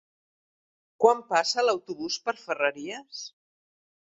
Quan passa l'autobús per Ferreries?